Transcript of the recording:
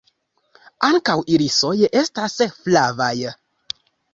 Ankaŭ irisoj estas flavaj.